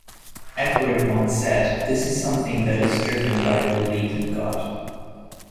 Edward once said, This is something that is driven by a belief in God.